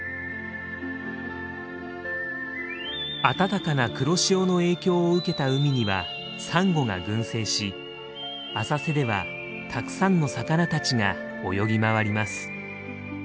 暖かな黒潮の影響を受けた海にはサンゴが群生し浅瀬ではたくさんの魚たちが泳ぎ回ります。